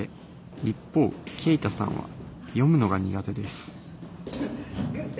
一方勁太さんは読むのが苦手です